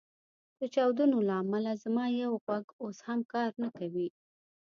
د چاودنو له امله زما یو غوږ اوس هم کار نه کوي